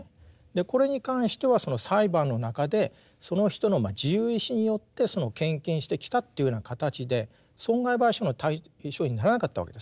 これに関してはその裁判の中でその人の自由意思によってその献金してきたというような形で損害賠償の対象にならなかったわけです。